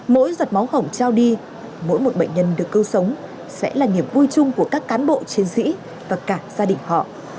mỗi giọt máu hồng trao đi mỗi một bệnh nhân được cứu sống sẽ là niềm vui chung của các cán bộ chiến sĩ và cả gia đình họ